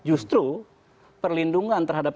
justru perlindungan terhadap